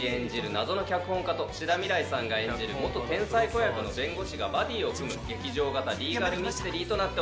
謎の脚本家と志田未来さんが演じる天才子役の弁護士がバディを組む劇場型リーガルミステリーとなっております。